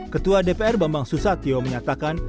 ketua dpr bambang susatyo menyatakan